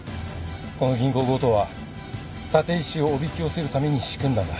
この銀行強盗は立石をおびき寄せるために仕組んだんだ。